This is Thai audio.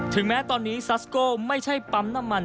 แม้ตอนนี้ซัสโก้ไม่ใช่ปั๊มน้ำมัน